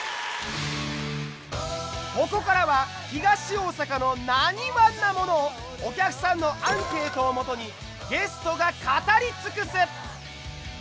ここからは東大阪の「なにわん」なものをお客さんのアンケートをもとにゲストが語り尽くす！